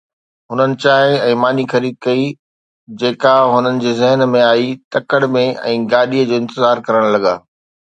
هنن چانهه ۽ ماني خريد ڪئي جيڪا هنن جي ذهن ۾ آئي تڪڙ ۾۽ گاڏيءَ جو انتظار ڪرڻ لڳا.